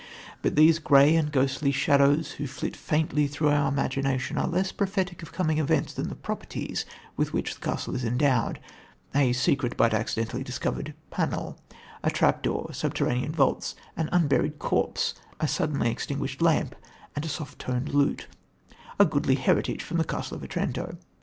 But these grey and ghostly shadows, who flit faintly through our imagination, are less prophetic of coming events than the properties with which the castle is endowed, a secret but accidently discovered panel, a trap door, subterranean vaults, an unburied corpse, a suddenly extinguished lamp and a soft toned lute a goodly heritage from The Castle of Otranto.